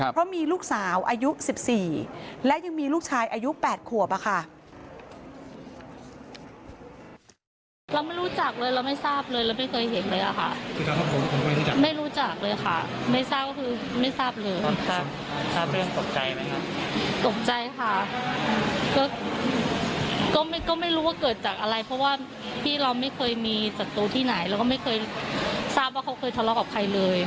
เพราะมีลูกสาวอายุ๑๔และยังมีลูกชายอายุ๘ขวบค่ะ